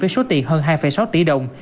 với số tiền hơn hai sáu tỷ đồng